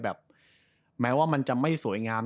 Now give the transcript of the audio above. แม้ว่ามันจะไม่สวยงาม